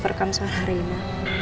kerekam suara reina